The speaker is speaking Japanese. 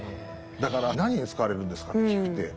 だから「何に使われるんですか？」って聞くんで